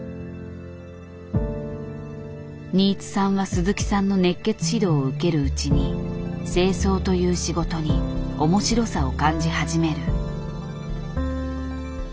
新津さんは鈴木さんの熱血指導を受けるうちに清掃という仕事に面白さを感じ始める。